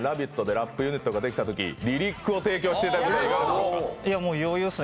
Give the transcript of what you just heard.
ラップユニットができたときリリックを提供していただくのはいかがですか。